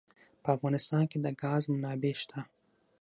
په افغانستان کې د ګاز منابع شته.